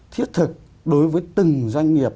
thiết thực đối với từng doanh nghiệp